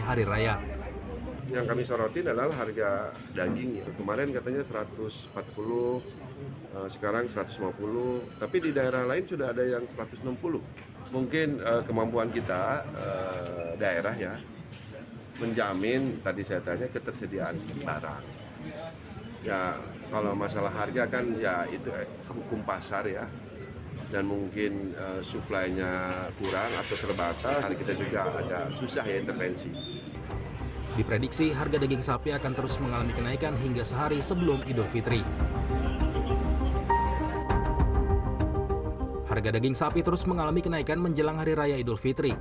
harga daging sapi terus mengalami kenaikan menjelang hari raya idul fitri